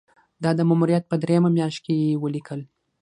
دا د ماموریت په دریمه میاشت کې یې ولیکل.